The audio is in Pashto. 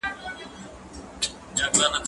که وخت وي، انځورونه رسم کوم!!